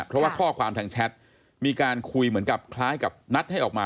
เพราะว่าข้อความทางแชทมีการคุยเหมือนกับคล้ายกับนัดให้ออกมา